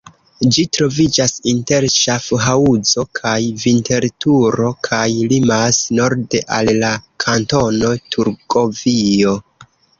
Ĝi troviĝas inter Ŝafhaŭzo kaj Vinterturo kaj limas norde al la Kantono Turgovio.